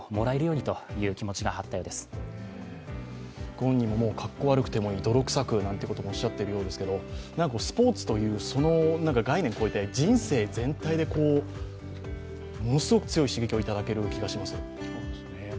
ご本人もかっこ悪くてもいい泥臭くとおっしゃっているようですがなんかスポーツという概念を超えて人生全体でものすごく強い刺激をいただける気がします。